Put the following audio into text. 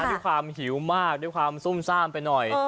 ด้วยความหิวมากด้วยความซุ่มซ่ามไปหน่อย